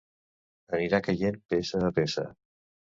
Anirà caient peça a peça.